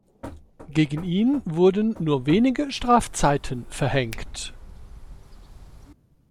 Gegen ihn wurden nur wenige Strafzeiten verhängt.